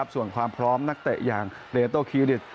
ส่วนความพร้อมนักเตะอย่างเรโตคิริต